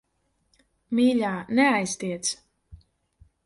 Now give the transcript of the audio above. Mīļā, neaiztiec.